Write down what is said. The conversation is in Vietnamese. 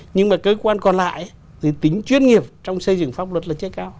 nhưng mà cơ quan còn lại thì tính chuyên nghiệp trong xây dựng pháp luật là chưa cao